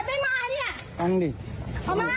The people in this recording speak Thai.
พระทหารที่ไหน